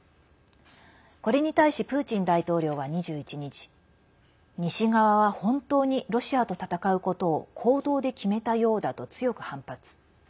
これに対しプーチン大統領は２１日西側は本当にロシアと戦うことを行動で決めたようだと強く反発。